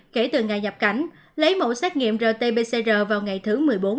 kể từ ngày nhập cảnh lấy mẫu xét nghiệm rt pcr vào ngày thứ một mươi bốn